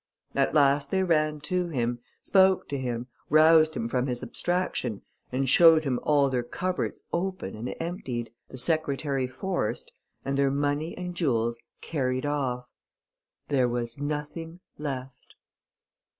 At last they ran to him, spoke to him, roused him from his abstraction, and showed him all their cupboards open and emptied, the secretary forced, and their money and jewels carried off: there was nothing left.